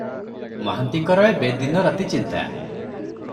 ମହାନ୍ତିଙ୍କର ଏବେ ଦିନ ରାତି ଚିନ୍ତା ।